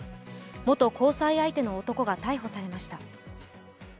元交際相手の男が逮捕されました。